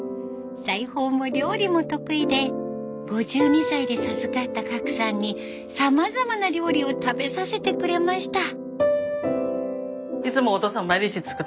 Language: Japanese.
裁縫も料理も得意で５２歳で授かった革さんにさまざまな料理を食べさせてくれました。